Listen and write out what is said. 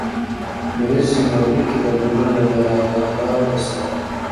ورځي مو ورکي له ګلونو له یارانو سره -